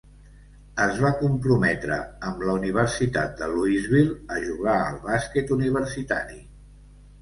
Es va comprometre amb la Universitat de Louisville a jugar al bàsquet universitari.